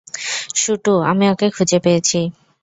শুটু, আমি ওকে খুঁজে পেয়েছি!